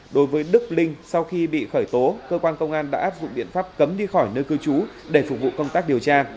đối với đức linh sau khi bị khởi tố cơ quan công an đã áp dụng biện pháp cấm đi khỏi nơi cư trú để phục vụ công tác điều tra